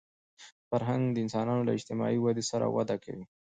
فرهنګ د انسانانو له اجتماعي ودې سره وده کوي